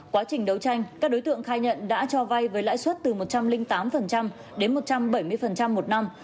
quá trình đấu tranh các đối tượng khai nhận đã cho vay với lãi suất từ một trăm linh tám đến một trăm bảy mươi một năm